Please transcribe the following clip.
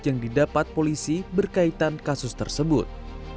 yang didapat polisi berkaitan kasus tersebut